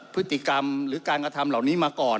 พฤติกรรมหรือการกระทำเหล่านี้มาก่อน